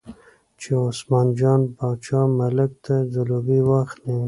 چې عثمان جان باچا ملک ته ځلوبۍ واخلي.